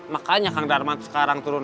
makanya kang darman sekarang turun